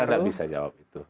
saya tidak bisa jawab itu